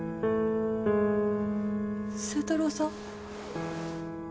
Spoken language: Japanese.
星太郎さん？